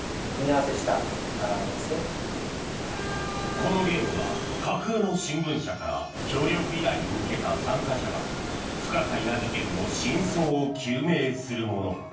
このゲームは架空の新聞社から協力依頼を受けた参加者が不可解な事件の真相を究明するもの。